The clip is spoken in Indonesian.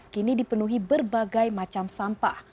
kini dipenuhi berbagai macam sampah